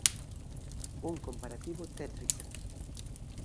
Un comparativo tétrico.